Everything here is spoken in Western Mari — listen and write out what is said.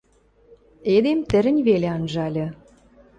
Эдем тӹрӹнь веле анжальы.